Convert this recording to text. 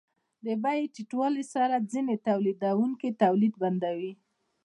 د بیې ټیټوالي سره ځینې تولیدونکي تولید بندوي